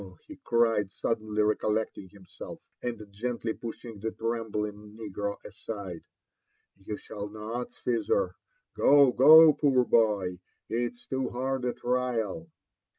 he crfekl, suddenly recollecting himself, and gently pushing the trembling negro aside ;'< you shall not, Caesar. Go, go, poor boy I It is too hard a trial."